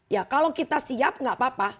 ya kalau kita siap nggak apa apa